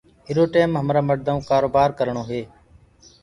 ايرو ٽيم همرو مڙدآ ڪو ڪآروبآر جنآور پآݪوو هي